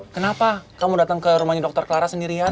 kenapa kamu datang ke rumahnya dokter clara sendirian